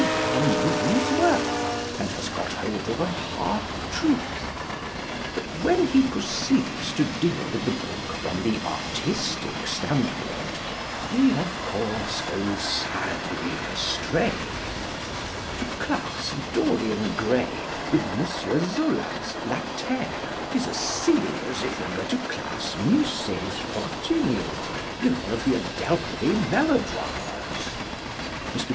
Brown means well, and has got hold of a half truth, but when he proceeds to deal with the book from the artistic stand point, he, of course, goes sadly astray. To class "Dorian Gray" with M. Zola's La Terre is as silly as if one were to class Masset's Fortunio with one of the Adelphi melodramas. Mr.